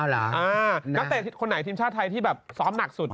นักเตะคนไหนทีมชาติไทยที่แบบซ้อมหนักสุด